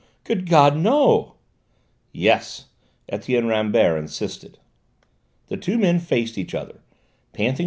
Good God, no!" "Yes!" Etienne Rambert insisted. The two men faced each other, panting.